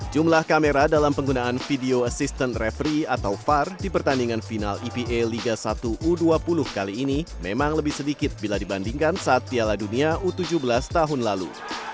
jumlah kamera dalam penggunaan video assistant referee atau var di pertandingan final eva liga satu u dua puluh kali ini memang lebih sedikit bila dibandingkan saat piala dunia u tujuh belas tahun lalu